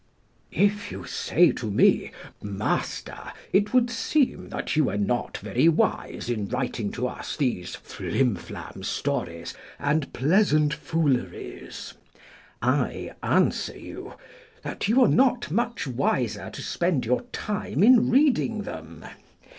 If you say to me, Master, it would seem that you were not very wise in writing to us these flimflam stories and pleasant fooleries; I answer you, that you are not much wiser to spend your time in reading them.